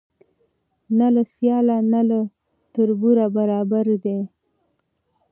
نه له سیال نه له تربوره برابر دی